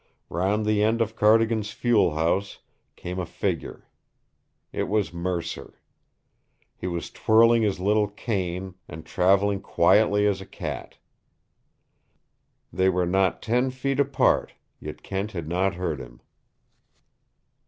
Round the end of Cardigan's fuel house came a figure. It was Mercer. He was twirling his little cane and traveling quietly as a cat. They were not ten feet apart, yet Kent had not heard him.